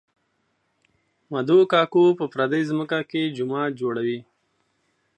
مدو کاکو په پردۍ ځمکه کې جومات جوړوي